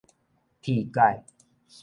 鐵改